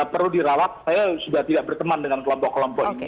perlu dirawat saya sudah tidak berteman dengan kelompok kelompok ini